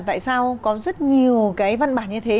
tại sao có rất nhiều cái văn bản như thế